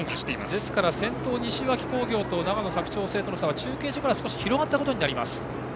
ですから先頭の西脇工業と長野・佐久長聖の差は中継所から少し広がったことになります。